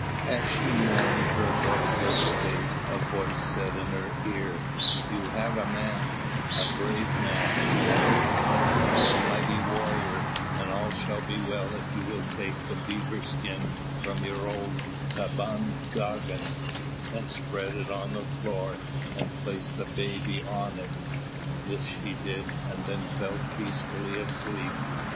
As she mourned her desolate state, a voice said in her ear: "You have a man, a brave man, Wālūt, the mighty warrior; and all shall be well if you will take the beaver skin from your old 't'bān kāgan,' spread it on the floor, and place the baby on it." This she did, and then fell peacefully asleep.